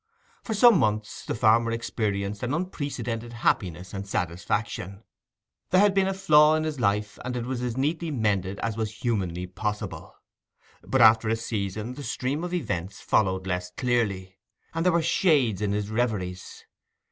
For some months the farmer experienced an unprecedented happiness and satisfaction. There had been a flaw in his life, and it was as neatly mended as was humanly possible. But after a season the stream of events followed less clearly, and there were shades in his reveries.